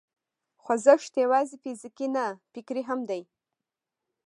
خوځښت یوازې فزیکي نه، فکري هم دی.